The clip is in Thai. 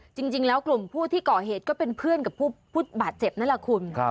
จริงแล้วกลุ่มผู้ที่ก่อเหตุก็เป็นเพื่อนกับผู้บาดเจ็บนั่นแหละคุณ